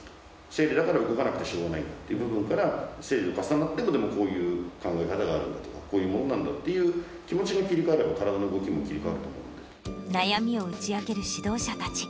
生理だから動かなくてしょうがないっていう部分から、生理が重なってもこういう考え方があるとか、こういうもんなんだって気持ちが切り替われば体の動きも切り替わ悩みを打ち明ける指導者たち。